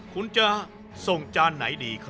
คุณจะส่งจานไหนดีครับ